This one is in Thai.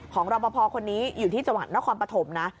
ของรอบพอพอร์คนนี้อยู่ที่จังหวัดนครปฐมนะ